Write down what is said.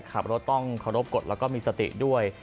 ขับรถต้องครบกฎและมีสติด้วย